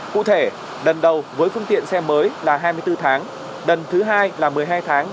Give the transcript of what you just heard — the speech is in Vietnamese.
cụ thể lần đầu với phương tiện xe mới là hai mươi bốn tháng lần thứ hai là một mươi hai tháng